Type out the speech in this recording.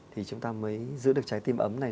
thì chúng ta mới giữ được trái tim ấm này